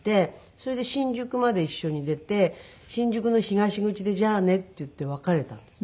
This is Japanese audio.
それで新宿まで一緒に出て新宿の東口でじゃあねって言って別れたんです。